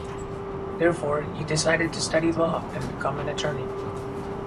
Therefore, he decided to study law and become an attorney.